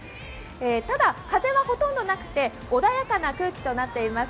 ただ、風はほとんどなくて穏やかな空気となっています。